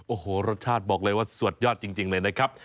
โอ้โหรสชาติบอกเลยว่าสุดยอดจริงเลยนะครับ